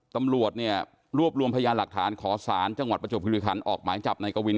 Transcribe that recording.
ตำรวจเนี่ยรวบรวมพยานหลักฐานขอสารจังหวัดประจวบคิริคันออกหมายจับนายกวิน